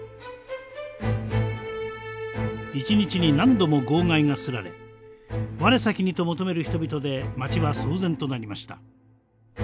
一日に何度も号外が刷られ我先にと求める人々で街は騒然となりました。